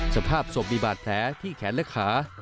สภาพศพมีบาดแผลที่แขนและขา